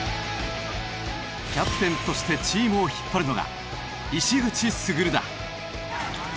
キャプテンとしてチームを引っ張るのが石口直だ。